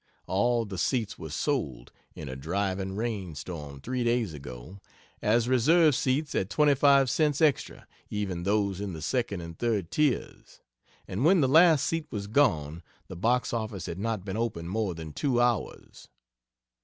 All the seats were sold (in a driving rain storm, 3 days ago,) as reserved seats at 25 cents extra, even those in the second and third tiers and when the last seat was gone the box office had not been open more than 2 hours.